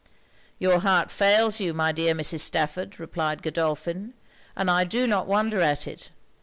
'Your heart fails you, my dear Mrs. Stafford,' replied Godolphin, 'and I do not wonder at it.